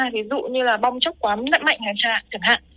ví dụ như là bong chóc quá mạnh nặng mạnh hạt